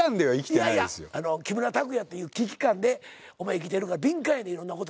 いやいや木村拓哉っていう危機感でお前生きてるから敏感やねんいろんなことに。